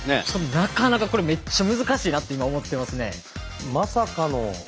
なかなかめっちゃ難しいなって今思ってますね。